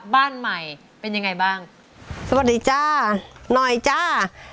บ้านใหม่เป็นยังไงบ้างสวัสดีจ้าหน่อยจ้า